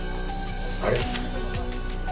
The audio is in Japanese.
あれ。